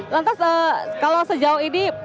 lantas kalau sejauh ini